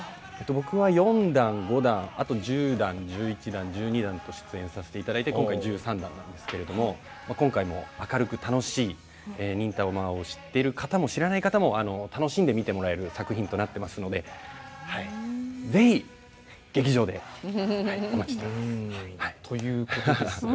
僕は４弾５弾あと１０弾１１弾１２弾と出演させていただいて今回１３弾なんですけれども今回も明るく楽しい「忍たま」を知っている方も知らない方も楽しんで見てもらえる作品となってますので是非劇場でお待ちしております。ということですが。